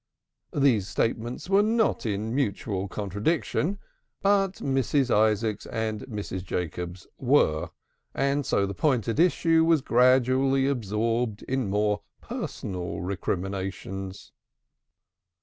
These statements were not in mutual contradiction, but Mrs. Isaacs and Mrs. Jacobs were, and so the point at issue was gradually absorbed in more personal recriminations.